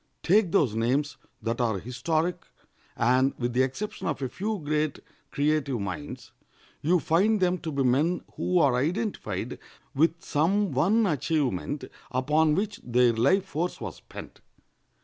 Take those names that are historic, and, with the exception of a few great creative minds, you find them to be men who are identified with some one achievement upon which their life force was spent.